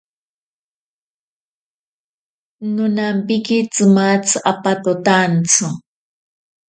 Nonampiki tsimatzi apototantsi.